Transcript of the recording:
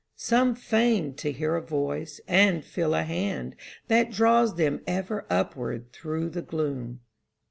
Some feign to hear a voice and feel a hand That draws them ever upward thro' the gloom.